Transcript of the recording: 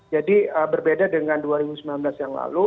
jadi berbeda dengan dua ribu sembilan belas yang lalu